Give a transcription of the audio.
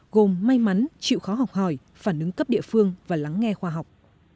gồm may mắn chịu khó học hỏi phản ứng cấp địa phương và lắng nghe khoa học